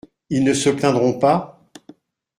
Ils ne se plaindront pas ?